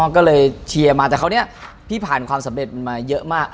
ก็เลยเชียร์มาแต่คราวนี้พี่ผ่านความสำเร็จมาเยอะมาก